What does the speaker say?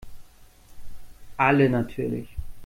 Alle natürlich.